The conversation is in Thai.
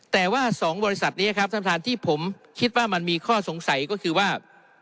แต่ว่า๒บริษัทนี้ครับท่านประธานที่ผมคิดว่ามันมีข้อสงสัยก็คือว่า